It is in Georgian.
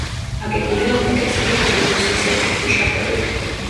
აგებულია უმეტესწილად ლიოსისებრი ქვიშაქვებით.